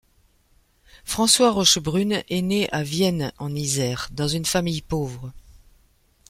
François Rochebrune est né à Vienne en Isère, dans une famille pauvre.